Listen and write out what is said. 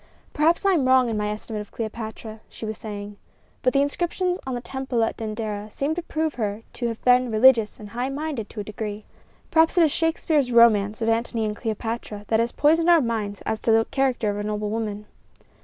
"Perhaps I am wrong in my estimate of Cleopatra," she was saying; "but the inscriptions on the temple at Dendera seem to prove her to have been religious and high minded to a degree. Perhaps it is Shakespeare's romance of Antony and Cleopatra that has poisoned our minds as to the character of a noble woman."